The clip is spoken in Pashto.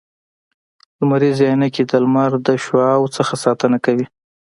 لمریزي عینکي د لمر د شعاوو څخه ساتنه کوي